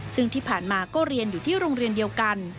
ซึ่งที่ผ่านมาก็เรียนอยู่ที่โรงเรียนเดียวกัน